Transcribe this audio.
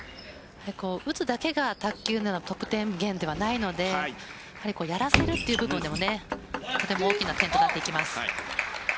打つだけが卓球では得点源ではないのでやらせるという部分でもとても大きな点となっていきます。